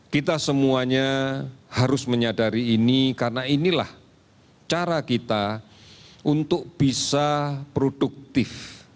kita semuanya harus menyadari ini karena inilah cara kita untuk bisa produktif